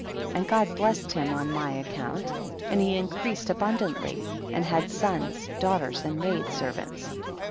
58. And God blessed him on my account, and he increased abundant ly, and had sons, daughters and maid servants.